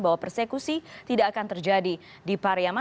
bahwa persekusi tidak akan terjadi di pariaman